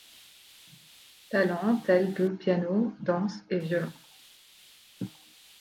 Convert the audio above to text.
Talents tels que piano, danse et violon.